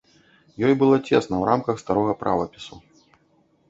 Ёй было цесна ў рамках старога правапісу.